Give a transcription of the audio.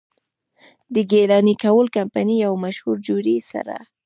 د ګيلاني کول کمپني مشهور جوړي سر،